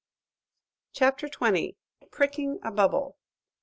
CHAPTER XX PRICKING A BUBBLE.